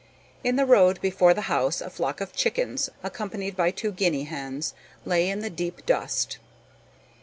In the road before the house a flock of chickens, accompanied by two guinea hens, lay in the deep dust.